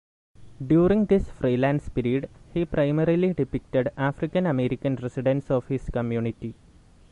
During this freelance period, he primarily depicted African-American residents of his community.